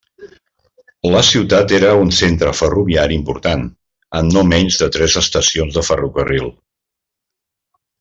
La ciutat era un centre ferroviari important, amb no menys de tres estacions de ferrocarril.